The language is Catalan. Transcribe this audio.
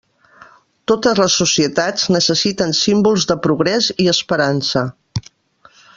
Totes les societats necessiten símbols de progrés i esperança.